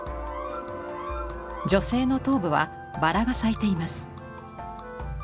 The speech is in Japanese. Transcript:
女性の頭部はバラが咲いています。